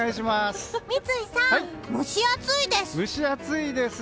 三井さん、蒸し暑いです。